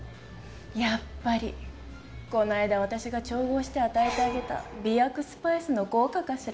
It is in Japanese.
やっぱりこの間私が調合して与えてあげた媚薬スパイスの効果かしら？